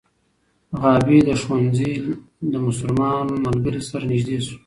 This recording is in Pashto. غابي د ښوونځي له مسلمان ملګري سره نژدې شو.